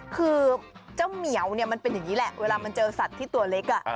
คือเจ้าเหมียวเนี่ยมันเป็นอย่างนี้แหละเวลามันเจอสัตว์ที่ตัวเล็ก